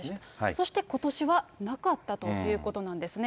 そしてことしはなかったということなんですね。